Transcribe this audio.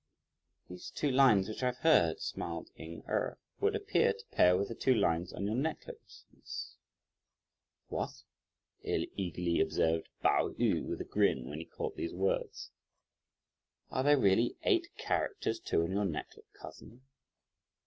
"These two lines which I've heard," smiled Ying Erh, "would appear to pair with the two lines on your necklet, miss!" "What!" eagerly observed Pao yü with a grin, when he caught these words, "are there really eight characters too on your necklet, cousin?